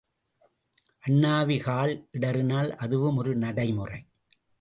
அண்ணாவி கால் இடறினால் அதுவும் ஒரு நடைமுறை.